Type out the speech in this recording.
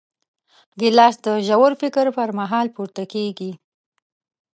ګیلاس د ژور فکر پر مهال پورته کېږي.